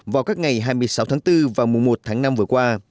vào các ngày hai mươi sáu tháng bốn và mùa một tháng năm vừa qua